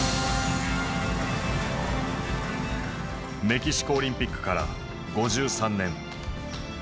メキシコオリンピックから５３年。